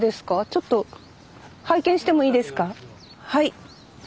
ちょっと拝見してもいいですか？